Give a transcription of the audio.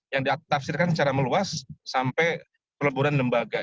yang ditafsirkan secara meluas sampai peleburan lembaga